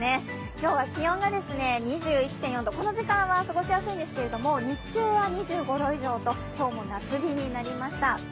今日は気温が２１．４度、この時間は過ごしやすいんですけれども、日中は２５度以上と今日も夏日になりました。